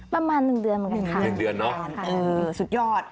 ประมาณ๑เดือนบ้างค่ะอ่ะอยู่นี่มากมากสุดยอด